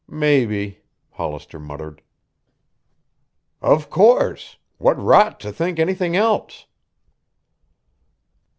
"Maybe," Hollister muttered. "Of course. What rot to think anything else."